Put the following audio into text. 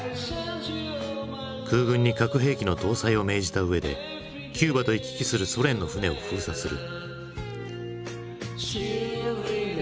空軍に核兵器の搭載を命じたうえでキューバと行き来するソ連の船を封鎖する。